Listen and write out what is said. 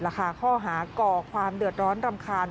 ข้อหาก่อความเดือดร้อนรำคาญ